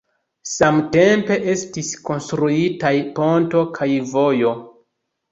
Samtempe estis konstruitaj ponto kaj vojo.